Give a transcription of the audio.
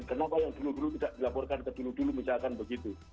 kenapa yang dulu dulu tidak dilaporkan ke dulu dulu misalkan begitu